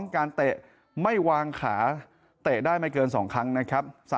การเตะไม่วางขาเตะได้ไม่เกิน๒ครั้งนะครับ